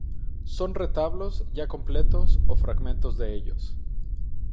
Son retablos ya completos o fragmentos de ellos.